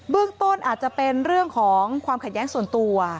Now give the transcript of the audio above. ต้นอาจจะเป็นเรื่องของความขัดแย้งส่วนตัว